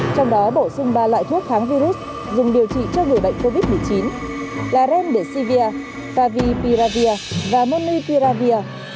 trong đó bổ sung ba loại thuốc kháng virus dùng điều trị cho vừa bệnh covid một mươi chín là remdesivir favipiravir và monipiravir